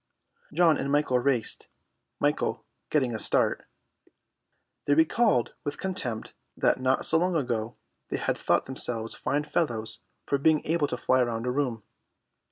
John and Michael raced, Michael getting a start. They recalled with contempt that not so long ago they had thought themselves fine fellows for being able to fly round a room.